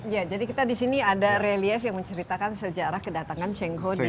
ya jadi kita disini ada relief yang menceritakan sejarah kedatangan cheng hu